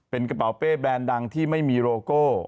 เป็นกระเป๋าเป้แบรนด์ดังที่ไม่มีโรโก้